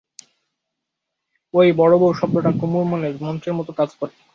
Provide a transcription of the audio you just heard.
ঐ বড়োবউ শব্দটা কুমুর মনে মন্ত্রের মতো কাজ করে।